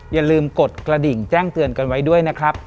อย่าลืมกดกระดิ่งแจ้งเตือนกันไว้ด้วยนะครับ